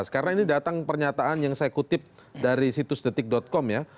karena ini datang pernyataan yang saya kutip dari situs detik com ya